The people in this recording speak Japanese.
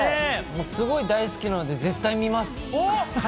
すごい大好きなので絶対見ます。